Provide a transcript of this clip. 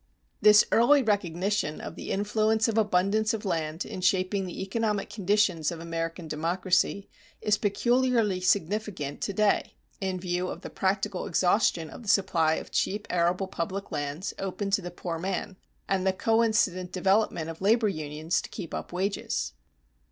This early recognition of the influence of abundance of land in shaping the economic conditions of American democracy is peculiarly significant to day in view of the practical exhaustion of the supply of cheap arable public lands open to the poor man, and the coincident development of labor unions to keep up wages.